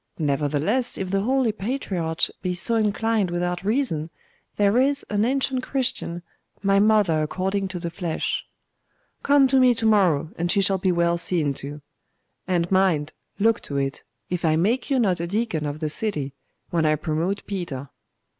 Nevertheless if the holy patriarch be so inclined without reason, there is an ancient Christian, my mother according to the flesh ' 'Come to me to morrow, and she shall be well seen to. And mind look to it, if I make you not a deacon of the city when I promote Peter.